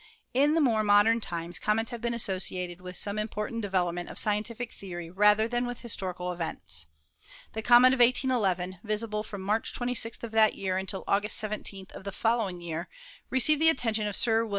In more modern times comets have been associated with some important development of scientific theory rather than with historical events. The comet of 181 1, visible from March 26th of that year until August 17th of the following year, received the attention of Sir William Fig.